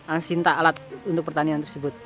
asinta alat untuk pertanian tersebut